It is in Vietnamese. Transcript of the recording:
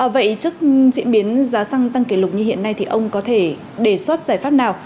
vậy trước diễn biến giá xăng tăng kỷ lục như hiện nay thì ông có thể đề xuất giải pháp nào